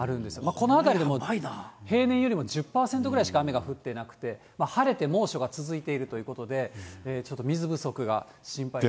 この辺りでも、平年よりも１０％くらいしか雨が降ってなくて、晴れて猛暑が続いているということで、ちょっと水不足が心配です。